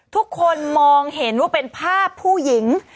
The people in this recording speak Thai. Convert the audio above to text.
ทุกคนมองเห็นว่าเป็นภาพผู้หญิง